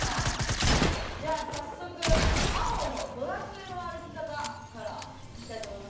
早速青の「ドラクエ」の歩き方からいきたいと思います。